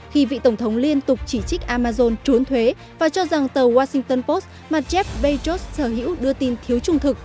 khi vị tổng thống liên tục chỉ trích amazon trốn thuế và cho rằng tờ washington post mà jeff bezos sở hữu đưa tin thiếu trung thực